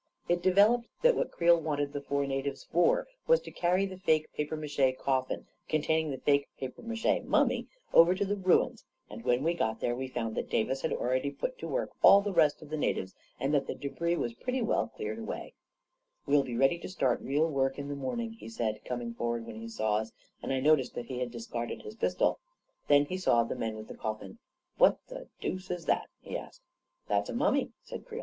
It developed that what Creel wanted the four natives for was to carry the fake papier mache coffin containing the fake papier mache mummy over to the ruins, and when we got there, we found that Davis had already put to work all the rest of the natives and that the debris was pretty well cleared away. A KING IN BABYLON 157 " We'll be ready to start real work in the morn ing," he said, coming forward when he saw us, and I noticed that he had discarded his pistol. Then he saw the men with the coffin. " What the deuce is that? " he asked 41 That's a mummy," said Creel.